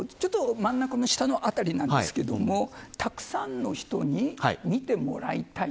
真ん中の下辺りですがたくさんの人に見てもらいたい。